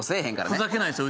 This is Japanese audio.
ふざけないですよ